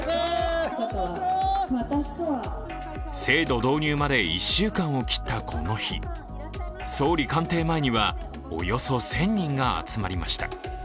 制度導入まで１週間を切ったこの日、総理官邸前にはおよそ１０００人が集まりました。